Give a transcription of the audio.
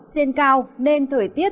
trên cao nên thời tiết